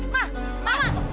ma mama tuh